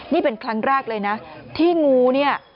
นี่เป็นครั้งแรกเลยนะที่งูเนี่ย